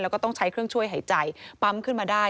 แล้วก็ต้องใช้เครื่องช่วยหายใจปั๊มขึ้นมาได้